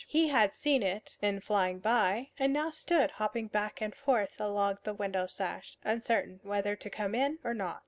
He had seen it in flying by, and now stood hopping back and forth along the window sash, uncertain whether to come in or not.